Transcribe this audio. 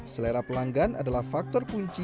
selera pelanggan adalah faktor kunci